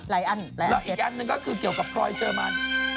แล้วอีกอันนึงก็คือเกี่ยวกับพรอยเชิญมา